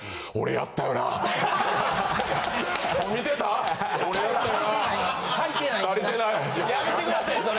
やめてくださいそれ。